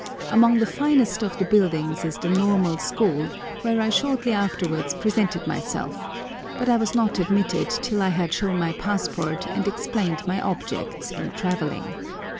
Among the finest of the buildings is the Normal School, where I shortly afterwards presented myself, but I was not admitted till I had shown my passport and explained my objects in travelling.